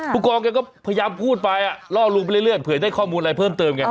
ผู้กองแกก็พยายามพูดไปล่อลวงไปเรื่อยเผื่อได้ข้อมูลอะไรเพิ่มเติมไง